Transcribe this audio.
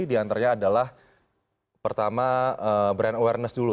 di antaranya adalah pertama brand awareness dulu